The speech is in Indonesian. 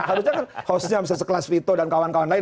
harusnya kan khususnya bisa sekelas vito dan kawan kawan lain